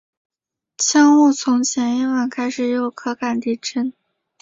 江户从前一晚开始也有可感地震。